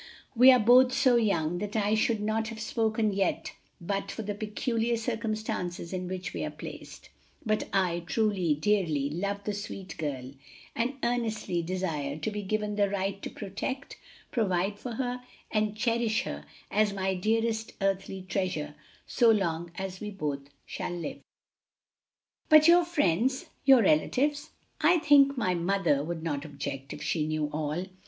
We are both so young that I should not have spoken yet but for the peculiar circumstances in which we are placed; but I truly, dearly love the sweet girl and earnestly desire to be given the right to protect, provide for and cherish her as my dearest earthly treasure so long as we both shall live." "But your friends, your relatives?" "I think my mother would not object, if she knew all.